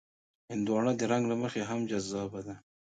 هندوانه د رنګ له مخې هم جذابه ده.